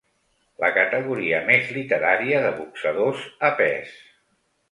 La categoria més literària de boxadors, a pes.